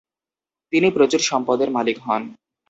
তিনি প্রচুর সম্পদের মালিক হন।